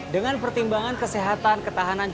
dengan pertimbangan kesehatan ketahanan juga kedaulatan pangan